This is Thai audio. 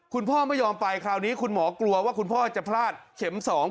คุณพ่อไม่ยอมไปคราวนี้คุณหมอกลัวว่าคุณพ่อจะพลาดเข็มสอง